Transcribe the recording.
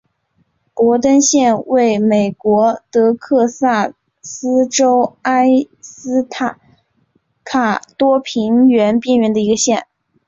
博登县位美国德克萨斯州埃斯塔卡多平原边缘的一个县。